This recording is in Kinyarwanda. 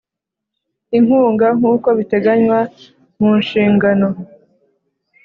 inkunga nkuko biteganywa mu nshingano